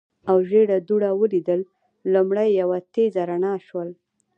او ژېړه دوړه ولیدل، لومړی یوه تېزه رڼا شول.